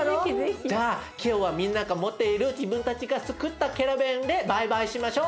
じゃあ今日はみんなが持っている自分たちがつくったキャラベンでバイバイしましょう。